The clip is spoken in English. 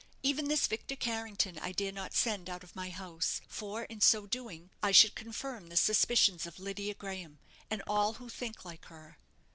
Even this Victor Carrington I dare not send out of my house; for, in so doing, I should confirm the suspicions of Lydia Graham, and all who think like her."